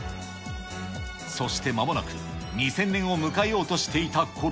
そしてまもなく２０００年を迎えようとしていたころ。